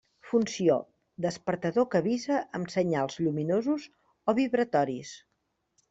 Funció: despertador que avisa amb senyals lluminosos o vibratoris.